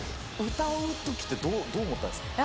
歌うときって、どう思ったんですか？